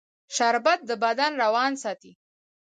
شربت د بدن روان ساتي